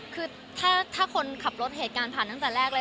คือถ้าคนขับรถเหตุการณ์ผ่านตั้งแต่แรกเลย